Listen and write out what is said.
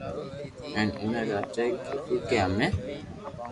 ھين اوڻي راجائي ڪآدو ڪي ھمي